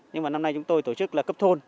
nhưng mà năm nay chúng tôi tổ chức là cấp thôn